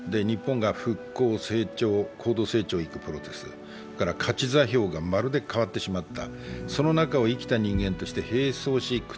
日本が復興、成長、高度成長に行くプロセス、価値座標がまるで変わってしまった。